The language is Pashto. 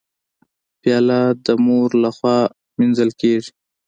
پیاله د مور لخوا مینځل کېږي.